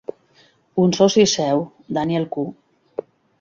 Un soci seu, Daniel Q.